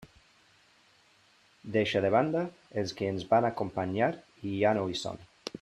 Deixa de banda els que ens van acompanyar i ja no hi són.